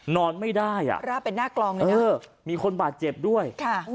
นอนไม่ได้อ่ะราบเป็นหน้ากลองเลยนะมีคนบาดเจ็บด้วยค่ะ